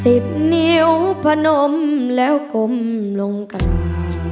สิบนิ้วผนมแล้วกมลงกันมา